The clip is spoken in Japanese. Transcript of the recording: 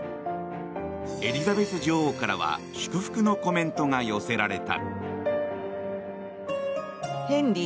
エリザベス女王からは祝福のコメントが寄せられた。